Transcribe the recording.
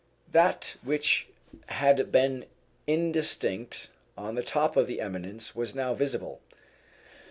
That which had been indistinct on the top of the eminence was now visible.